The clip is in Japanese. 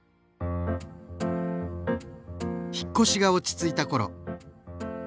引っ越しが落ち着いた頃。